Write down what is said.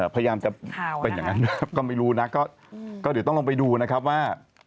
พยายามจะเป็นอย่างนั้นนะครับก็ไม่รู้นะก็เดี๋ยวต้องลงไปดูนะครับว่า